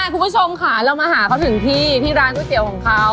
คุณผู้ชมค่ะเรามาหาเขาถึงที่ที่ร้านก๋วยเตี๋ยวของเขา